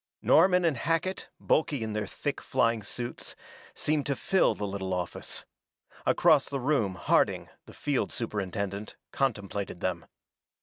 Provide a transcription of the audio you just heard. ] Norman and Hackett, bulky in their thick flying suits, seemed to fill the little office. Across the room Harding, the field superintendent, contemplated them.